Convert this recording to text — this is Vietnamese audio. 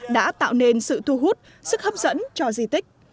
đã tạo nên sự thu hút sức hấp dẫn cho di tích